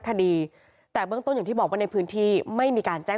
กระดูกในเมนนี่มันกระดูกใครกันแน่